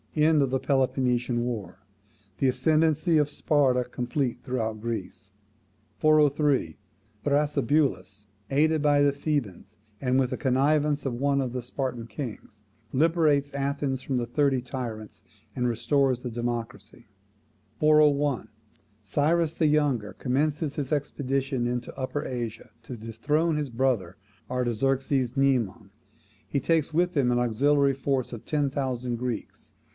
End of the Peloponnesian war. The ascendancy of Sparta complete throughout Greece. 403. Thrasybulus, aided by the Thebans and with the connivance of one of the Spartan kings, liberates Athens from the Thirty Tyrants, and restores the democracy. 401. Cyrus the Younger commences his expedition into Upper Asia to dethrone his brother Artaxerxes Mnemon. He takes with him an auxiliary force of ten thousand Greeks.